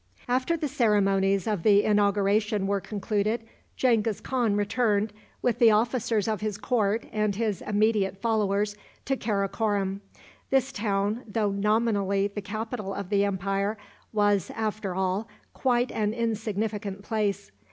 After the ceremonies of the inauguration were concluded, Genghis Khan returned, with the officers of his court and his immediate followers, to Karakorom. This town, though nominally the capital of the empire, was, after all, quite an insignificant place.